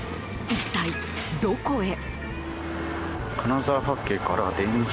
一体どこへ？